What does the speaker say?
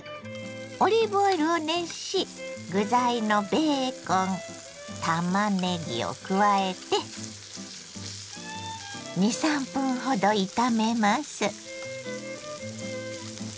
オリーブオイルを熱し具材のベーコンたまねぎを加えて２３分ほど炒めます。